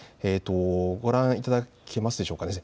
ご覧いただけますでしょうか。